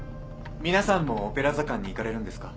皆さんもオペラ座館に行かれるんですか？